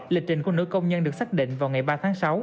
lịch trình của nữ công nhân được xác định vào ngày ba tháng sáu